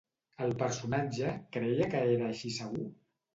El personatge creia que era així segur?